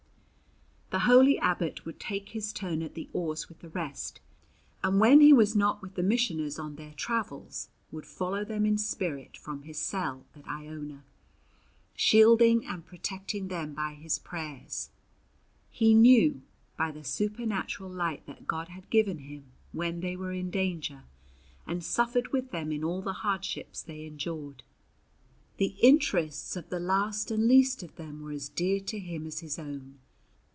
The holy abbot would take his turn at the oars with the rest, and when he was not with the missioners on their travels would follow them in spirit from his cell at Iona, shielding and protecting them by his prayers. He knew by the supernatural light that God had given him when they were in danger, and suffered with them in all the hardships they endured. The interests of the last and least of them were as dear to him as his own.